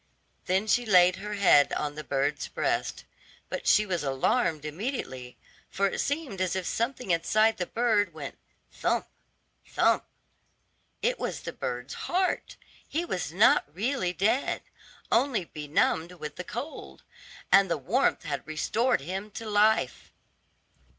Then she laid her head on the bird's breast, but she was alarmed immediately, for it seemed as if something inside the bird went "thump, thump." It was the bird's heart; he was not really dead, only benumbed with the cold, and the warmth had restored him to life.